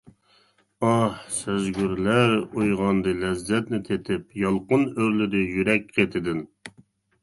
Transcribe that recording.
ئاھ. سەزگۈلەر ئويغاندى لەززەتنى تېتىپ، يالقۇن ئۆرلىدى يۈرەك قېتىدىن.